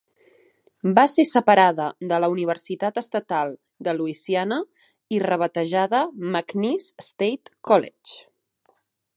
Va ser separada de la Universitat Estatal de Louisiana i rebatejada McNeese State College.